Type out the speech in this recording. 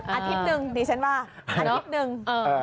อาทิตย์หนึ่งดิฉันว่าอาทิตย์หนึ่ง